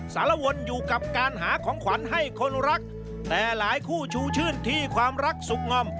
สารวนอยู่กับการหาของขวัญให้คนรักแต่หลายคู่ชูชื่นที่ความรักสุขงอม